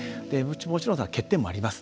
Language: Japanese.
もちろん、欠点もあります。